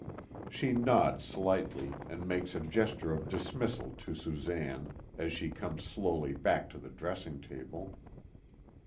She nods slightly, and makes a gesture of dismissal to Susanne, as she comes slowly back to the dressing table.